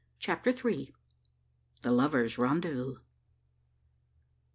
CHAPTER THREE. THE LOVERS' RENDEZVOUS.